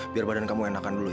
biar badan kamu enakan dulu ya